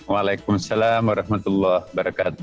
waalaikumsalam wr wb